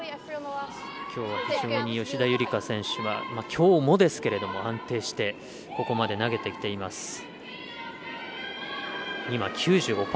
きょうは非常に吉田夕梨花選手はきょうもですけど安定してここまで投げてきています。